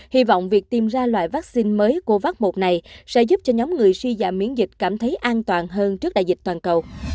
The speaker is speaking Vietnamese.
hy vọng việc tiêm ra loại vaccine mới của covax một này sẽ giúp cho nhóm người suy giả miễn dịch cảm thấy an toàn hơn trước đại dịch toàn cầu